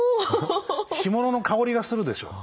干物の香りがするでしょう。